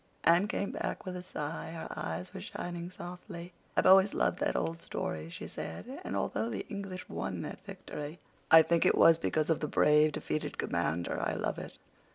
Anne came back with a sigh; her eyes were shining softly. "I've always loved that old story," she said, "and although the English won that victory, I think it was because of the brave, defeated commander I love it.